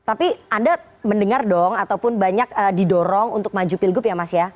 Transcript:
tapi anda mendengar dong ataupun banyak didorong untuk maju pilgub ya mas ya